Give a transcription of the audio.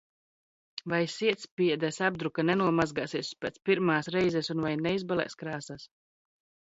Vai sietspiedes apdruka nenomazgāsies pēc pirmās reizes un vai neizbalēs krāsas?